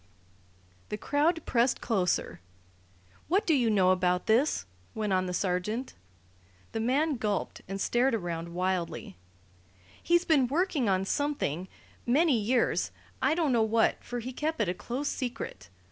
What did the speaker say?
The crowd pressed closer. "What do you know about this?" went on the sergeant. The man gulped and stared around wildly. "He's been working on something many years I don't know what, for he kept it a close secret.